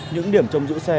những điểm trong giữ xe